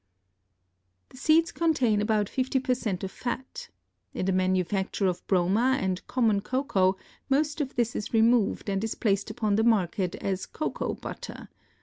The seeds contain about 50 per cent of fat. In the manufacture of broma and common cocoa most of this is removed and is placed upon the market as cocoa butter.